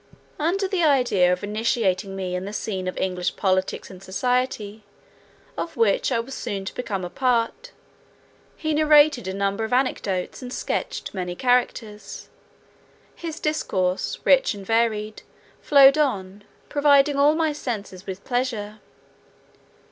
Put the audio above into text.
Under the idea of initiating me in the scene of English politics and society, of which I was soon to become a part, he narrated a number of anecdotes, and sketched many characters; his discourse, rich and varied, flowed on, pervading all my senses with pleasure.